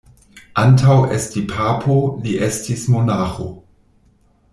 Antaŭ esti papo, li estis monaĥo.